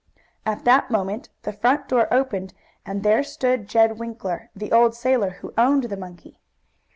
At that moment the front door opened, and there stood Jed Winkler, the old sailor, who owned the monkey.